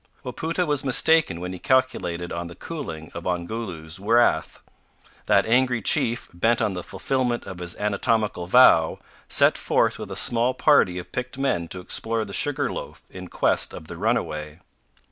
Wapoota was mistaken when he calculated on the cooling of Ongoloo's wrath. That angry chief, bent on the fulfilment of his anatomical vow, set forth with a small party of picked men to explore the Sugar loaf in quest of the runaway.